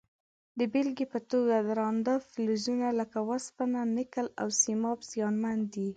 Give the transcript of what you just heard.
د بیلګې په توګه درانده فلزونه لکه وسپنه، نکل او سیماب زیانمن دي.